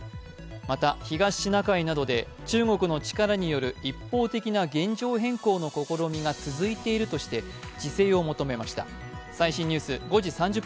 また、東シナ海などで中国の力による一方的な現状変更の試みが続いているとして自制を求めました。